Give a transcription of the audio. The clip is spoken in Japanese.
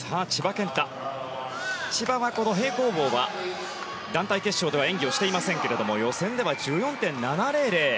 千葉は平行棒は団体決勝では演技をしていませんが予選では１４．７００。